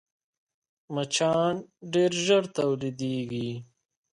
مچان ډېر ژر تولیدېږي